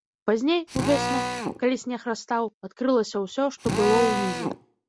Пазней, увесну, калі снег растаў, адкрылася ўсё, што было ўнізе.